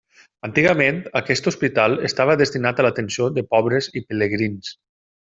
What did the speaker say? Antigament, aquest hospital estava destinat a l'atenció de pobres i pelegrins.